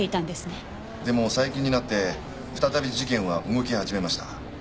でも最近になって再び事件は動き始めました。